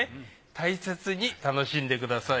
大切に楽しんでください。